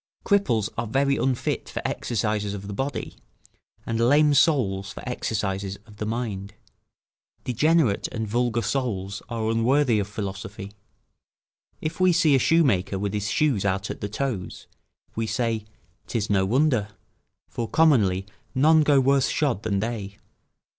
Cripples are very unfit for exercises of the body, and lame souls for exercises of the mind. Degenerate and vulgar souls are unworthy of philosophy. If we see a shoemaker with his shoes out at the toes, we say, 'tis no wonder; for, commonly, none go worse shod than they.